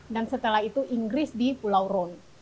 dan setelah itu inggris di pulau rhone